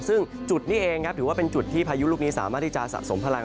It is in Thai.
ซึ่งจุดนี้เองครับถือว่าเป็นจุดที่พายุลูกนี้สามารถที่จะสะสมพลัง